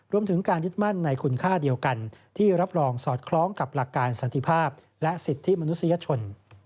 รวมถึงการยึดมั่นในคุณค่าเดียวกันที่รับรองสอดคล้องกับหลักการสันติภาพและสิทธิมนุษยชน